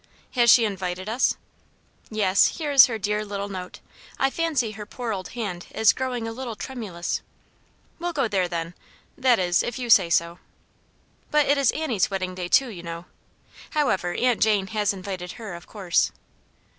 " Has she invited us ?''" Yes ; here is her dear little note. I fancy her poor old hand is growing a little tremulous." " We'll go there, then ; that is, if you say so." " But it is Annie's wedding day, too, you know. However, Aunt Jane has invited her, of course."